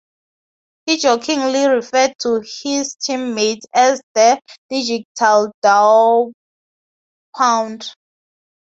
He jokingly referred to his teammates as "The Digital Dawgpound".